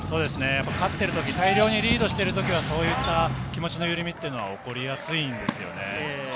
勝っているとき、大量にリードしている時はそういった気持ちの緩みが起こりやすいんですよね。